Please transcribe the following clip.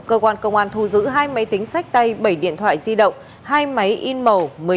cơ quan công an thu giữ hai máy tính sách tay bảy điện thoại di động hai máy in màu